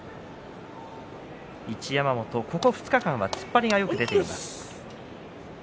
一山本、ここ２日間は突っ張りがよく出ています。